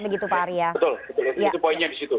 betul betul itu poinnya di situ